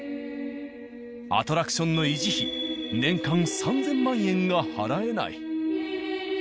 アトラクションの維持費年間３０００万円が払えない。